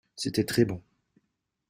C’était très bon.